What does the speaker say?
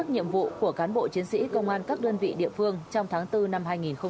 nhiệm vụ của cán bộ chiến sĩ công an các đơn vị địa phương trong tháng bốn năm hai nghìn hai mươi